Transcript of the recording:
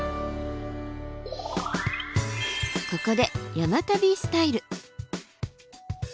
ここで「山旅スタイル」。